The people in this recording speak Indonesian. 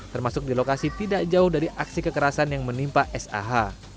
termasuk di lokasi tidak jauh dari aksi kekerasan yang menimpa sah